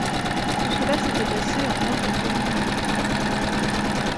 Tout cela s’était passé en moins d’une demi-minute.